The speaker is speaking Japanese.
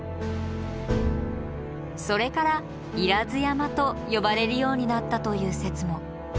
それから不入山と呼ばれるようになったという説も。